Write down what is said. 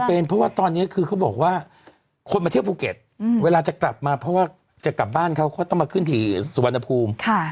เป็นเพราะว่าตอนนี้คือเขาบอกว่าคนมาเที่ยวภูเก็ตเวลาจะกลับมาเพราะว่าจะกลับบ้านเขาก็ต้องมาขึ้นที่สุวรรณภูมิ